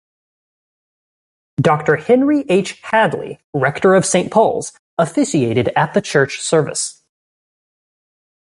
Doctor Henry H. Hadley, rector of Saint Paul's, officiated at the church service.